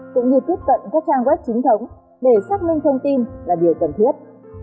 cũng như tiếp cận các trang web chính thống để xác minh thông tin là điều cần thiết